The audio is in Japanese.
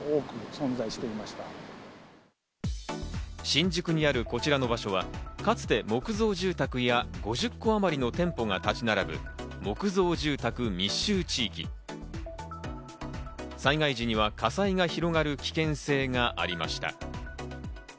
新宿にあるこちらの場所は、かつて木造住宅や５０戸あまりの店が並ぶ住宅密集地域、災害時には火災が広がる危険性がありました。